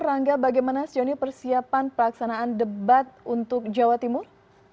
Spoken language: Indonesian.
rangga bagaimana sejauh ini persiapan pelaksanaan debat untuk jawa timur